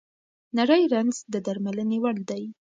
نري رنځ د درملنې وړ دی.